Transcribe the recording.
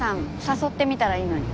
誘ってみたらいいのに。